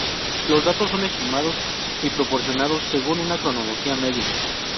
Los datos son estimados y proporcionados según una cronología media.